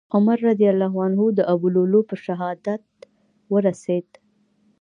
عمر رضي الله عنه د ابولؤلؤ له په شهادت ورسېد.